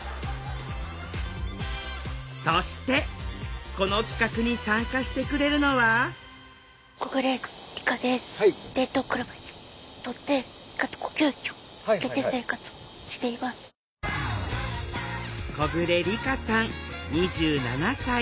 そしてこの企画に参加してくれるのは小暮理佳さん２７歳。